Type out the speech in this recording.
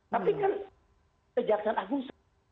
tapi kan kejaksaan agung